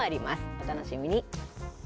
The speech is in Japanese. お楽しみに。